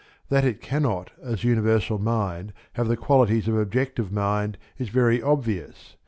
That it cannot as universal mind have the qualities of objective mind is very obvious.